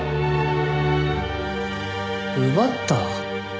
奪った？